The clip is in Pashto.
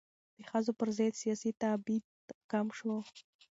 د ښځو پر ضد سیاسي تبعیض کم شو.